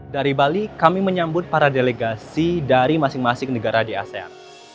dari bali kami menyambut para delegasi dari masing masing negara di asean